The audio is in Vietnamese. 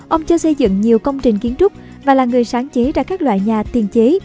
ông cho xây dựng nhiều công trình kiến trúc và là người sáng chế ra các loại nhà tiền chế